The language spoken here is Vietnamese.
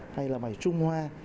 hay là bài trung hoa